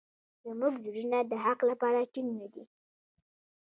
زموږ زړونه د حق لپاره ټینګ نه دي.